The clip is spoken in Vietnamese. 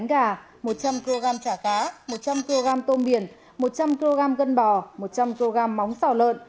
bốn gà một trăm linh kg chả cá một trăm linh kg tôm biển một trăm linh kg gân bò một trăm linh kg móng xào lợn